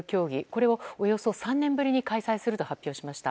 これをおよそ３年ぶりに開催すると発表しました。